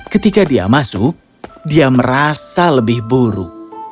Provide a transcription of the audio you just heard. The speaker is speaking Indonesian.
ketika dia masuk dia merasa lebih buruk